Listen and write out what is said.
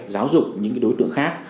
giáo dục những cái đối tượng khác